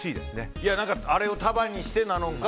あれを束にしてなのか。